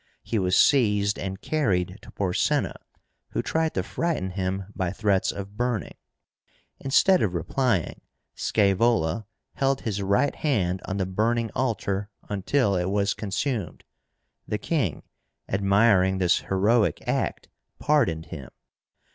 He was seized and carried to Porsena, who tried to frighten him by threats of burning. Instead of replying, Scaevola held his right hand on the burning altar until it was consumed. The king, admiring this heroic act, pardoned him.